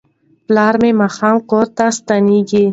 پلار به ماښام کور ته ستنیږي.